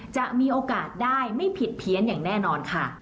จะมีโอกาสได้ไม่ผิดเพี้ยนอย่างแน่นอนค่ะ